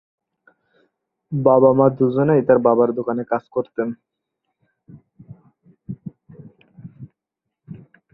বাবা-মা দুজনেই তার বাবার দোকানে কাজ করতেন।